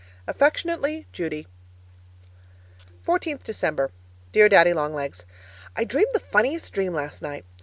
Affectionately, Judy 14th December Dear Daddy Long Legs, I dreamed the funniest dream last night.